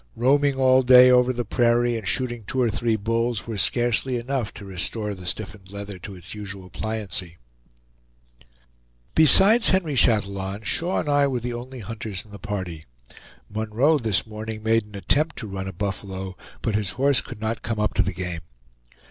Roaming all day over the prairie and shooting two or three bulls, were scarcely enough to restore the stiffened leather to its usual pliancy. Besides Henry Chatillon, Shaw and I were the only hunters in the party. Munroe this morning made an attempt to run a buffalo, but his horse could not come up to the game.